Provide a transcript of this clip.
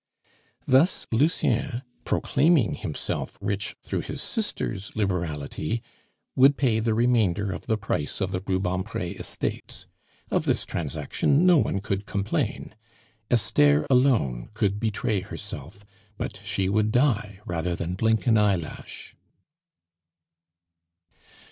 Thus Lucien, proclaiming himself rich through his sister's liberality, would pay the remainder of the price of the Rubempre estates. Of this transaction no one could complain. Esther alone could betray herself; but she would die rather than blink an eyelash.